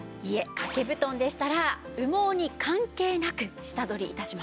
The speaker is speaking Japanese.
掛け布団でしたら羽毛に関係なく下取り致します。